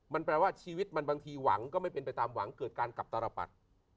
มันแปลว่าชีวิตมันบางทีหวังก็ไม่เป็นไปตามหวังเกิดการกลับตรปัด